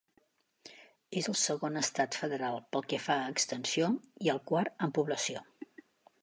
És el segon estat federal pel que fa a extensió i el quart en població.